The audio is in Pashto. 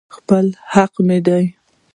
خپل حق مې دى.